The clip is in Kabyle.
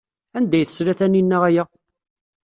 Anda ay tesla Taninna aya?